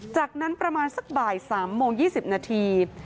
จากนั้นประมาณสักบ่ายสามโมงยี่สิบนาที